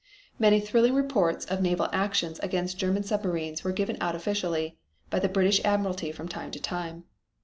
Many thrilling reports of naval actions against German submarines were given out officially by the British admiralty from time to time.